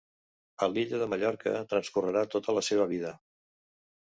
A l'illa de Mallorca transcorrerà tota la seva vida.